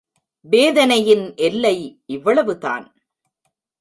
வேதனையின் எல்லை இவ்வளவுதான்.